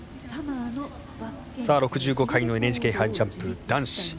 ６５回のＮＨＫ杯ジャンプ男子。